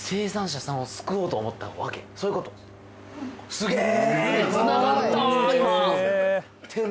すげえ！